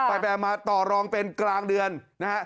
ไปมาต่อรองเป็นกลางเดือนนะฮะ